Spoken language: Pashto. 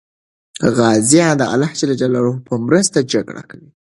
غازیان د الله په مرسته جګړه کوي.